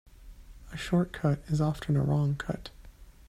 A short cut is often a wrong cut.